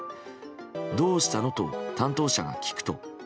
どうしたの？と担当者が聞くと。